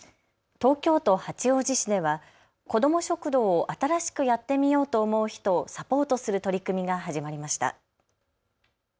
東京都八王子市では子ども食堂を新しくやってみようと思う人をサポートする取り組みが始まりました。